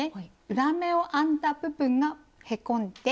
裏目を編んだ部分がへこんで